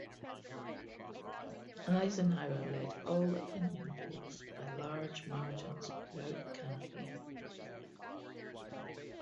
Eisenhower led all opinion polls by large margins throughout the campaign.